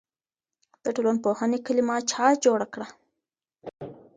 د ټولنپوهنې کلمه چا جوړه کړه؟